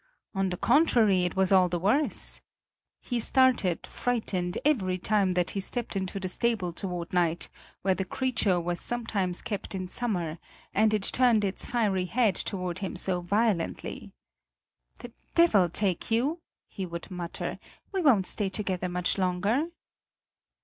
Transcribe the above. On the contrary, it was all the worse. He started, frightened, every time that he stepped into the stable toward night, where the creature was sometimes kept in summer and it turned its fiery head toward him so violently. "The devil take you!" he would mutter; "we won't stay together much longer!"